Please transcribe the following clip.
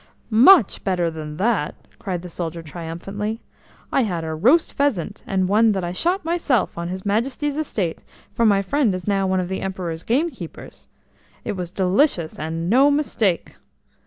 "Much better than that!" cried the soldier triumphantly. "I had a roast pheasant, and one that I shot myself on his Majesty's estate, for my friend is now one of the Emperor's gamekeepers. It was delicious, and no mistake."